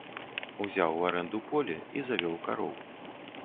Узяў у арэнду поле і завёў кароў.